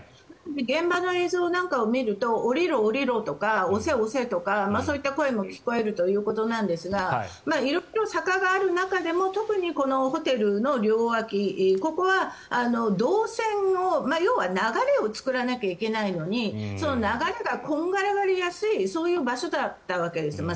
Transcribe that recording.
現場の映像なんかを見ると下りろ、下りろとか押せ、押せとかそういった声も聞こえるということですが色々、坂がある中でも特に、ここのホテルの両脇ここは動線の、要は流れを作らなきゃいけないのにその流れがこんがらがりやすいそういう場所だったわけです。